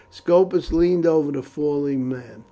Scopus leaned over the fallen man.